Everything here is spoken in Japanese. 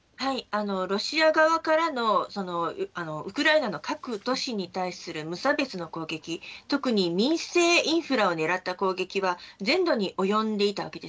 ロシア側からのウクライナの各都市に対する無差別の攻撃、特にみんせいインフラを狙った攻撃は全土に及んでいました。